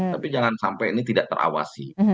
tapi jangan sampai ini tidak terawasi